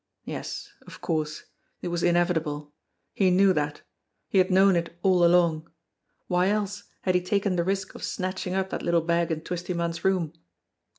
Yes, of course ! It was inevitable ! He knew that. He had known it all along. Why else had he taken the risk of snatching up that little bag in Twisty Munn's room?